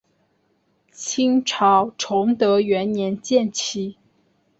清朝崇德元年建旗。